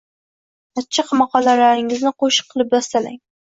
achchiq maqolalaringizni qo‘shiq qilib bastalang.